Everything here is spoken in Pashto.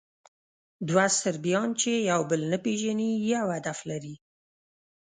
دوه صربیان، چې یو بل نه پېژني، یو هدف لري.